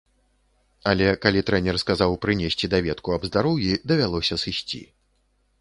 Але калі трэнер сказаў прынесці даведку аб здароўі, давялося сысці.